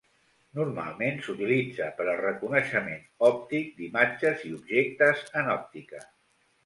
Normalment s'utilitza per al reconeixement òptic d'imatges i objectes en òptica.